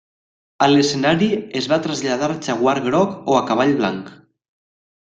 A l'escenari es va traslladar jaguar groc o a cavall blanc.